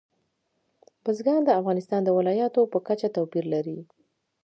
بزګان د افغانستان د ولایاتو په کچه توپیر لري.